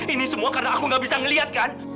ini semua karena aku nggak bisa ngelihat kan